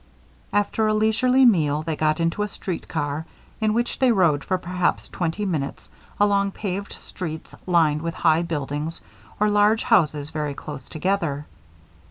After a leisurely meal, they got into a street car in which they rode for perhaps twenty minutes along paved streets lined with high buildings or large houses very close together.